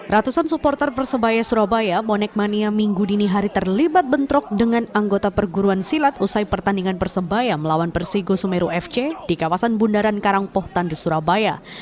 ratusan supporter persebaya surabaya bonek mania minggu dini hari terlibat bentrok dengan anggota perguruan silat usai pertandingan persebaya melawan persigo sumeru fc di kawasan bundaran karangpoh tande surabaya